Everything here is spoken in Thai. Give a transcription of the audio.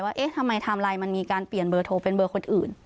เอ๊ะทำไมไทม์ไลน์มันมีการเปลี่ยนเบอร์โทรเป็นเบอร์คนอื่น